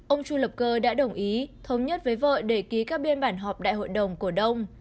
ông chu lập cơ đã đồng ý thống nhất với vợ để ký các biên bản họp đại hội đồng cổ đông